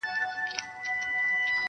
ته خبر نه وي ما سندري درته کړلې اشنا-